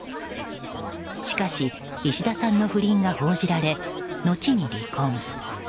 しかし石田さんの不倫が報じられ後に離婚。